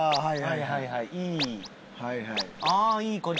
はいはいはいいい。